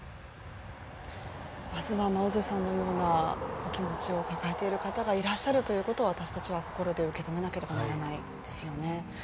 まずは、マオズさんのようなお気持ちを抱えていらっしゃる方がいることを私たちは心で受け止めなければいけないですよね。